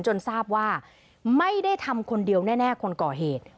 จนทราบว่าไม่ได้ทำคนเดียวแน่คนก่อเหตุ